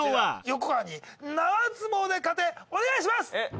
横川に縄相撲で勝てお願いします。